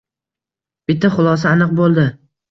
Bitta xulosa aniq bo`ldi